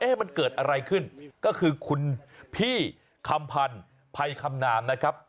มันเกิดอะไรขึ้นก็คือคุณพี่คำพันธ์ภัยคำนามนะครับ